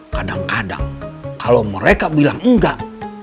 kadang kadang kalau mereka bilang enggak